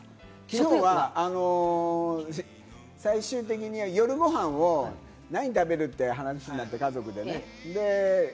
きのうは最終的には夜ご飯を何食べる？って話になって、家族でね。